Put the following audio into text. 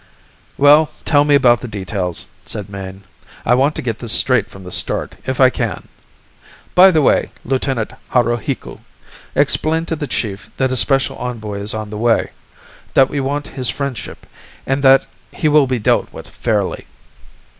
"Well, tell me about the details," said Mayne. "I want to get this straight from the start, if I can. By the way, Lieutenant Haruhiku, explain to the chief that a special envoy is on the way, that we want his friendship, and that he will be dealt with fairly."